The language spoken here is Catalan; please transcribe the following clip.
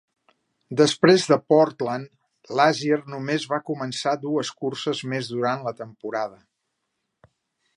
Després de Portland, Lazier només va començar dues curses més durant la temporada.